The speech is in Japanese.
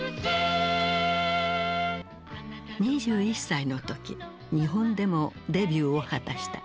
２１歳の時日本でもデビューを果たした。